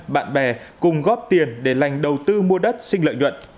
bạn bè cùng góp tiền để lành đầu tư mua đất xin lợi nhuận